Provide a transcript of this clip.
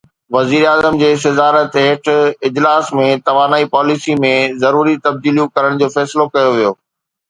وزيراعظم جي صدارت هيٺ اجلاس ۾ توانائي پاليسي ۾ ضروري تبديليون ڪرڻ جو فيصلو ڪيو ويو